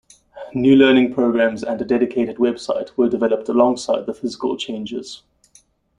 New learning programmes and a dedicated website were developed alongside the physical changes.